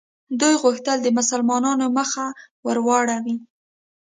دوی غوښتل د مسلمانانو مخه ور واړوي.